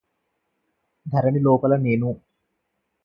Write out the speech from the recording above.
ధరణిలోపల నేను